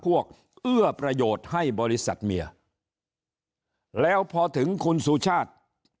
เอื้อประโยชน์ให้บริษัทเมียแล้วพอถึงคุณสุชาติ